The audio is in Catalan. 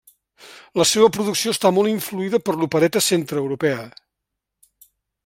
La seua producció està molt influïda per l'opereta centreeuropea.